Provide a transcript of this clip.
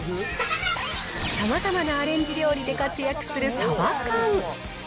さまざまなアレンジ料理で活躍するサバ缶。